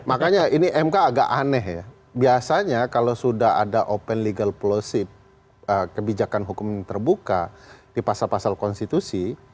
makanya ini mk agak aneh ya biasanya kalau sudah ada open legal policy kebijakan hukum terbuka di pasal pasal konstitusi